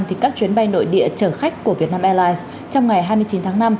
thì các chuyến bay nội địa chở khách của vietnam airlines trong ngày hai mươi chín tháng năm